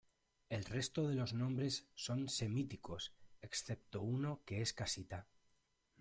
El resto de los nombres son semíticos, excepto uno que es Casita.